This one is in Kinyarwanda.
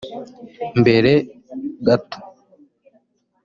Mbere gato